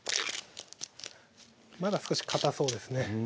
まだ少しかたそうですね